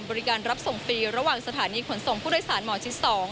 รับส่งฟรีระหว่างสถานีขนส่งผู้โดยสารหมอชิด๒